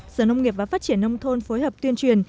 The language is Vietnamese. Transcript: sở nông nghiệp và phát triển nông thôn phối hợp tuyên truyền